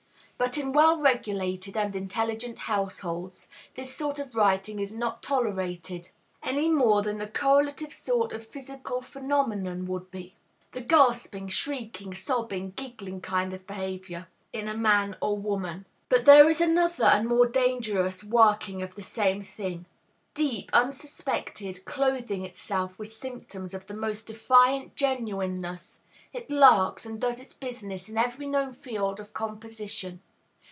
But in well regulated and intelligent households, this sort of writing is not tolerated, any more than the correlative sort of physical phenomenon would be, the gasping, shrieking, sobbing, giggling kind of behavior in a man or woman. But there is another and more dangerous working of the same thing; deep, unsuspected, clothing itself with symptoms of the most defiant genuineness, it lurks and does its business in every known field of composition.